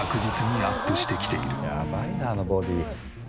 やばいなあのボディー。